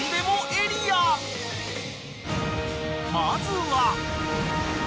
［まずは］